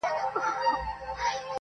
خو تا هېڅکله له چا سره مینه نه وي کړې.